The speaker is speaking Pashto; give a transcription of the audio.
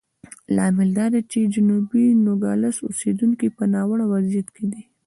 لامل دا دی چې جنوبي نوګالس اوسېدونکي په ناوړه وضعیت کې دي.